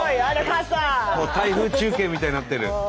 台風中継みたいになってる。